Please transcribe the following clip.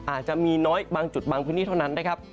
อาจจะมีน้อยบางจุดบางพื้นที่เท่านั้นนะครับ